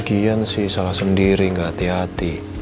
sekian sih salah sendiri gak hati hati